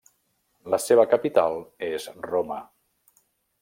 La seva capital és Roma.